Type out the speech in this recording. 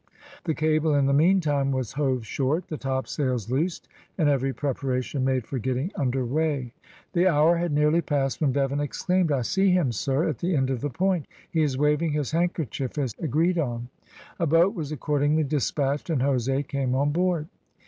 The cable, in the meantime, was hove short, the topsails loosed and every preparation made for getting under weigh. The hour had nearly passed, when Bevan exclaimed, "I see him, sir, at the end of the point. He is waving his handkerchief, as agreed on." A boat was accordingly despatched, and Jose came on board.